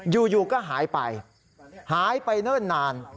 อยู่ก็หายไปหายไปเนิ่นนาน